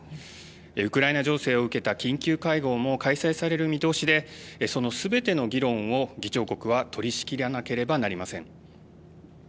ウクライナ情勢を受けた緊急会合も開催される見通しでそのすべての議論を議長国は取りしきらなければなりません。